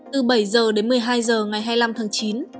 từ bảy h đến một mươi hai h ngày hai mươi năm tháng chín